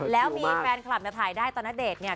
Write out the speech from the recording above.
แล้วมีแฟนคลับเนี่ยถ่ายได้ตอนณเดชน์เนี่ย